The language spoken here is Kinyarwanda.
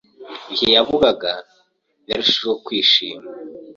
Igihe yavugaga, yarushijeho kwishima.